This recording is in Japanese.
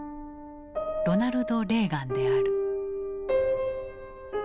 ロナルド・レーガンである。